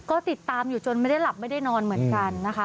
ก็ติดตามอยู่จนไม่ได้หลับไม่ได้นอนเหมือนกันนะคะ